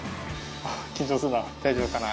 緊張するな大丈夫かな。